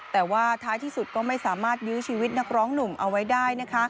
แต่ว่าท้ายที่สุดก็ไม่สามารถยื้อชีวิตนักร้องหนุ่มเอาไว้ได้นะคะ